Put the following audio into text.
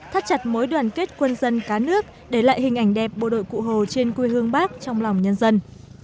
thắt chặt mối đoàn kết quân dân cá nước để lại hình ảnh đẹp bộ đội cụ hồ trên quê hương bắc trong lòng nhân dân